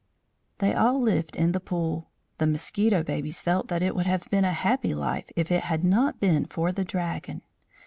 They all lived in the pool. The mosquito babies felt that it would have been a happy life if it had not been for the Dragon.